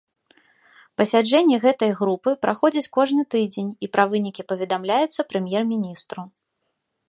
Пасяджэнні гэтай групы праходзяць кожны тыдзень, і пра вынікі паведамляецца прэм'ер-міністру.